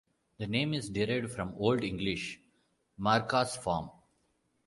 The name is derived from Old English "Mearca's Farm".